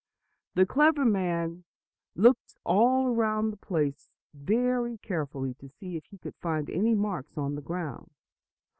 The clever man looked all around the place very carefully to see if he could find any marks on the ground.